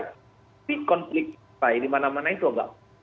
tapi konflik selesai dimana mana itu enggak